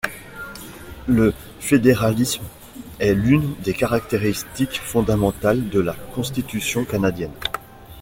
Le fédéralisme est l'une des caractéristiques fondamentales de la Constitution canadienne.